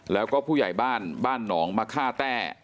แล้วก็ผู้ใหญ่บ้านบ้านหนองมะค่าแต้